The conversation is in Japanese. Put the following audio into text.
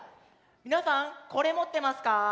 みなさんこれもってますか？